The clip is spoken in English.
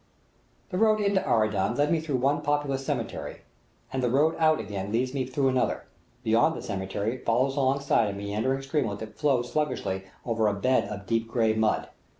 The road into Aradan led me through one populous cemetery, and the road out again leads me through another; beyond the cemetery it follows alongside a meandering streamlet that flows, sluggishly along over a bed of deep gray mud.